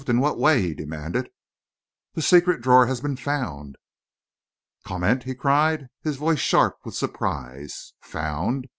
In what way?" he demanded. "The secret drawer has been found...." "Comment?" he cried, his voice sharp with surprise. "Found?